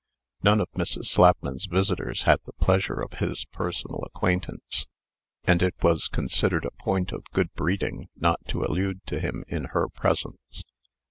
None of Mrs. Slapman's visitors had the pleasure of his personal acquaintance; and it was considered a point of good breeding not to allude to him in her presence.